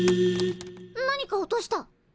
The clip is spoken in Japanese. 何か落とした。